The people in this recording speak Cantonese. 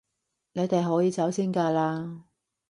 你哋可以走先㗎喇